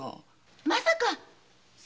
まさか。